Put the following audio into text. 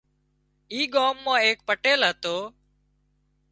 اي ڳام مان ايڪ پٽيل هتو